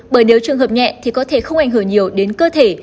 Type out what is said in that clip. bởi nếu trường hợp nhẹ thì có thể không ảnh hưởng nhiều đến cơ thể